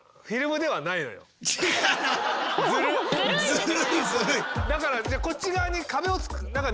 ずるいずるい。